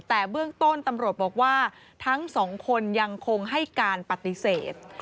แต่เบื้องต้นตำรวจบอกว่าทั้งสองคนยังคงให้การปฏิเสธ